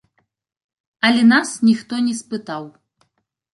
Але нас ніхто не спытаў.